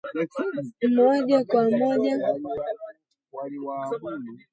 moja kwa moja kwenye chumba cha 'kazi' ambacho kinakuwa kwenye makazi ya madame wake